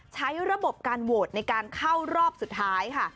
ใช้ระบบการโหวตในการเข้ารอบสุดท้ายค่ะ